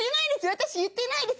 私言ってないです。